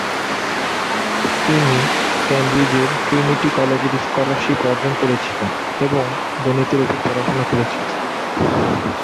তিনি কেমব্রিজের ট্রিনিটি কলেজের স্কলারশিপ অর্জন করেছিলেন এবং গণিতের উপর পড়াশোনা করেছিলেন।